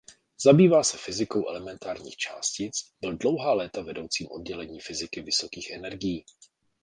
Zabývá se fyzikou elementárních částic a byl dlouhá léta vedoucím oddělení fyziky vysokých energií.